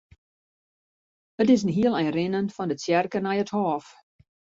It is in hiel ein rinnen fan de tsjerke nei it hôf.